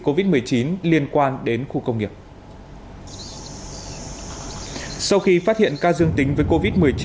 covid một mươi chín liên quan đến khu công nghiệp sau khi phát hiện ca dương tính với covid một mươi chín